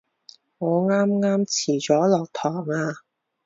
我啱啱遲咗落堂啊